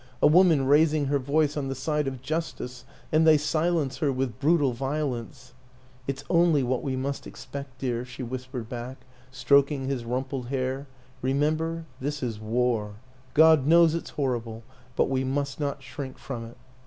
... A woman raising her voice on the side of justice and they silence her with brutal vio lence "" It's only what we must expect, dear," she whispered back, stroking his rumpled hair. " Re member this is War God knows it's horrible, but we must not shrink from it."